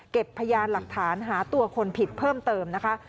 พยานหลักฐานหาตัวคนผิดเพิ่มเติมนะคะ